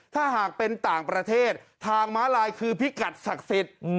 ถ้าหากเป็นต่างประเทศทางม้าลายคือพิกัดศักดิ์สิทธิ์